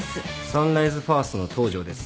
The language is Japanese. サンライズファーストの東城です。